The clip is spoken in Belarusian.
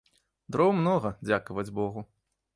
Дроў многа, дзякаваць богу.